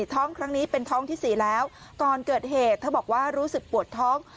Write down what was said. ท้องครั้งนี้เป็นท้องที่สี่แล้วก่อนเกิดเหตุเธอบอกว่ารู้สึกปวดท้อง